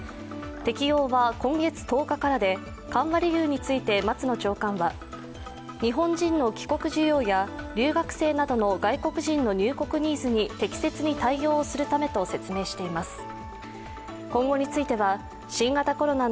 適用は今月１０日からで緩和理由について松野長官は日本人の帰国需要や留学生などの外国人の入国ニーズに適切に対応するためと説明しています。